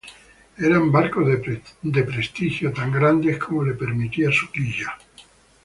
Eran barcos de prestigio, tan grandes como les permitía su quilla.